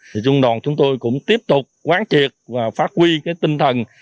thì trung đoàn chúng tôi cũng tiếp tục quán triệt và phát huy cái tinh thần